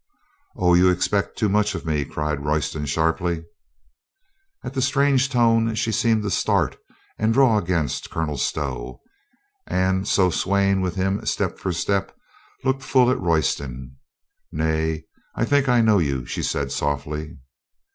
"Oh, you expect too much of me," cried Royston sharply. At the strange tone she seemed to start and draw against Colonel Stow, and, so swaying with him step for step, looked full at Royston. "Nay, I think I know you," she said softly.